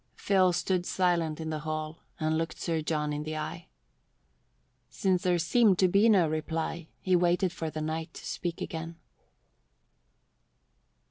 Phil stood silent in the hall and looked Sir John in the eye. Since there seemed to be no reply, he waited for the knight to speak again.